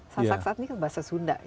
sasak saat ini kan bahasa sunda